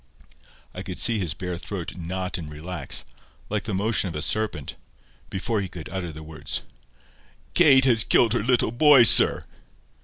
I could see his bare throat knot and relax, like the motion of a serpent, before he could utter the words. "Kate has killed her little boy, sir."